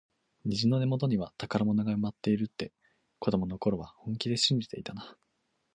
虹の根元には宝物が埋まっているって、子どもの頃は本気で信じてたなあ。